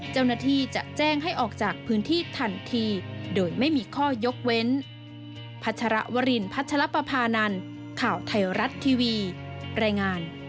เจ้าหน้าที่จะแจ้งให้ออกจากพื้นที่ทันทีโดยไม่มีข้อยกเว้น